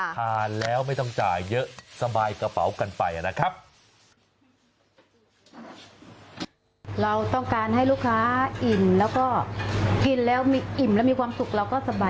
ทานแล้วไม่ต้องจ่ายเยอะสบายกระเป๋ากันไปนะครับ